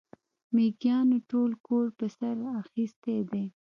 مېږيانو ټول کور پر سر اخيستی دی.